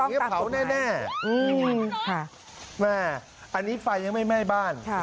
อย่างนี้เผาแน่ค่ะแม่อันนี้ไฟยังไม่แม่บ้าน